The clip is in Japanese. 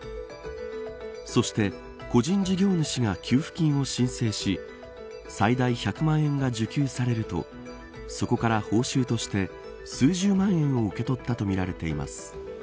そして個人事業主が給付金を申請し最大１００万円が需給されるとそこから報酬として数十万円を受け取ったとみられています。